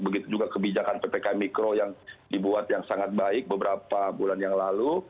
begitu juga kebijakan ppkm mikro yang dibuat yang sangat baik beberapa bulan yang lalu